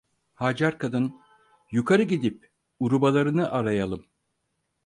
Hacer kadın: "Yukarı gidip urubalarını arayalım!"